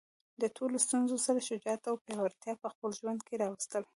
د ټولو له ستونزو سره شجاعت او پیاوړتیا په خپل ژوند کې راوستل.